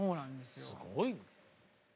すごい。